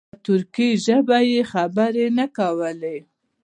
په ترکي ژبه یې خبرې نه کولې.